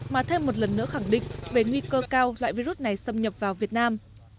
mà thêm một lần nữa khẳng định về nguy cơ cao loại virus này xâm nhập vào việt nam